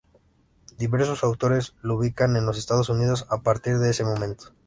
Diversos autores lo ubican en los Estados Unidos a partir de ese momento.